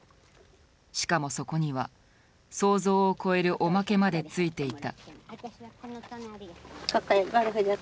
しかもそこには想像を超えるオマケまでついていた。